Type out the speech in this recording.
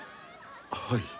はい。